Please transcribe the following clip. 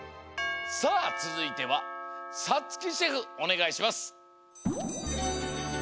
さあつづいてはさつきシェフおねがいします。